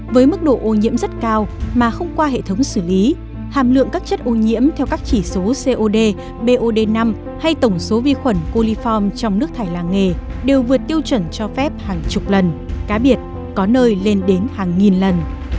với mức độ ô nhiễm rất cao mà không qua hệ thống xử lý hàm lượng các chất ô nhiễm theo các chỉ số cod bod năm hay tổng số vi khuẩn coliform trong nước thải làng nghề đều vượt tiêu chuẩn cho phép hàng chục lần cá biệt có nơi lên đến hàng nghìn lần